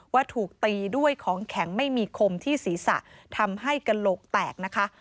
ว่าถูกตีด้วยของแข็งไม่มีคมที่ศีรษะทำให้กระโหลกแตกนะคะ